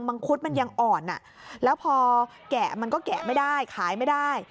งคุดมันยังอ่อนแล้วพอแกะมันก็แกะไม่ได้ขายไม่ได้